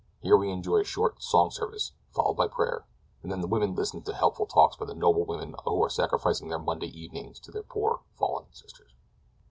Here we enjoy a short song service, followed by prayer, and then the women listen to helpful talks by the noble women who are sacrificing their Monday evenings to their poor, fallen sisters."